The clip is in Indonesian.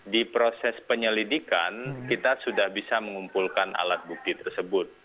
di proses penyelidikan kita sudah bisa mengumpulkan alat bukti tersebut